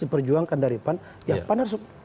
diperjuangkan dari pan ya pan harus